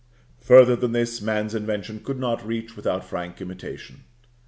Further than this, man's invention could not reach without frank imitation.